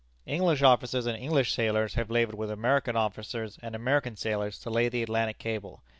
English officers and English sailors have labored with American officers and American sailors to lay the Atlantic cable.